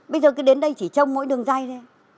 bây giờ cứ đến đây chỉ trong mỗi đường dây thôi